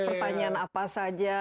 pertanyaan apa saja